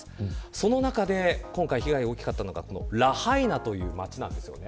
その中で今回被害が大きかったのはこのラハイナという町ですよね。